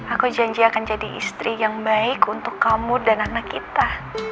aku janji akan jadi istri yang baik untuk kamu dan anak kita